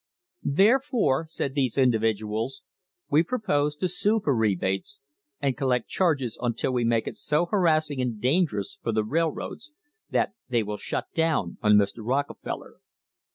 Therefore, said these individuals, we propose to sue for rebates and collect charges until we make it so harassing and dangerous for the railroads that they will shut down on Mr. Rockefeller.